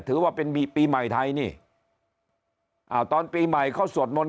ถือว่าเป็นปีใหม่ไทยนี่อ่าตอนปีใหม่เขาสวดมนต์